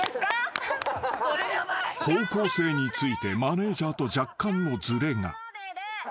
［方向性についてマネジャーと若干のずれが］